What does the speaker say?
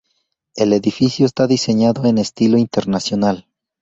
El edificio está diseñado en Estilo Internacional.